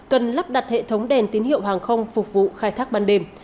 cần lắp đặt hệ thống đèn tín hiệu hàng không phục vụ khai thác ban đêm